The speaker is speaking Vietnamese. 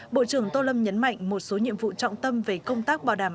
bộ trưởng tô lâm nhấn mạnh một số nhiệm vụ trọng tâm về công tác bảo đảm